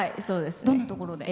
どんなところで？